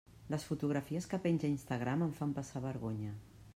Les fotografies que penja a Instagram em fan passar vergonya.